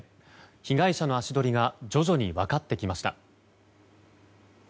被害者の足取りが徐々に分かってきました。